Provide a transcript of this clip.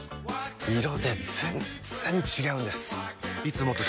色で全然違うんです！